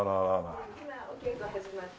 今お稽古始まって。